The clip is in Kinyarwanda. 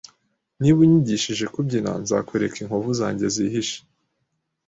Niba unyigishije kubyina, nzakwereka inkovu zanjye zihishe.